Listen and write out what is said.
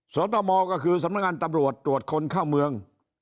สตมก็คือสำนักงานตำรวจตรวจคนเข้าเมือง